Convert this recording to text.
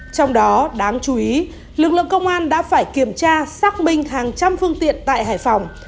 trong đó đáng chú ý lực lượng công an đã phải kiểm tra xác minh hàng trăm phương tiện tại hải phòng